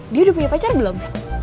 dia udah punya pacar belum